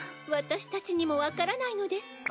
私たちにもわからないのです。